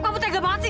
kamu tega banget sih